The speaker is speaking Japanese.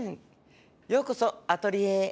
ようこそアトリエへ！